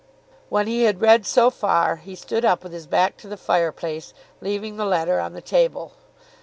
When he had read so far he stood up with his back to the fire place, leaving the letter on the table.